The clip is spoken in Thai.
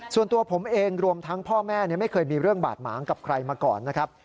ส่วนตัวผมเองรวมทั้งพ่อแม่ไม่เคยมีเรื่องบาดหมางกับใครมาก่อนนะครับ